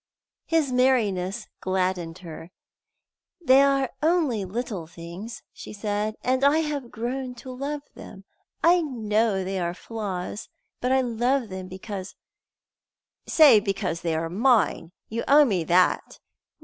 His merriness gladdened her. "They are only little things," she said, "and I have grown to love them. I know they are flaws; but I love them because " "Say because they are mine. You owe me that."